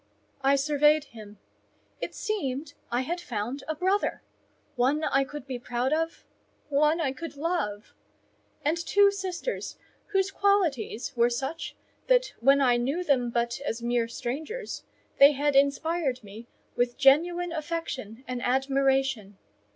I surveyed him. It seemed I had found a brother: one I could be proud of,—one I could love; and two sisters, whose qualities were such, that, when I knew them but as mere strangers, they had inspired me with genuine affection and admiration.